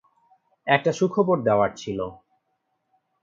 একটা সুখবর দেওয়ার ছিল।